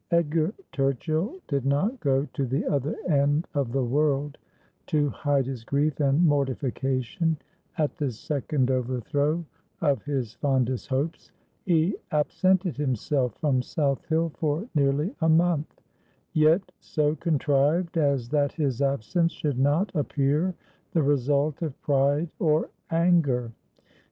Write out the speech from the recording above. Eduar Tukchill did not go to the other end of the world to hide his grief and mortification at this second overthrow of his fondest hopes. He absented himself from South Hill for nearly a month, yet so contrived as that his absence should not appear the result of pride or anger.